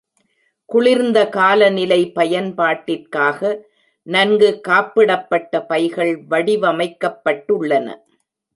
குளிர்ந்த காலநிலை பயன் பாட்டிற்காக நன்கு காப்பிடப்பட்ட பைகள் வடிவமைக்க பட்டுள்ளன.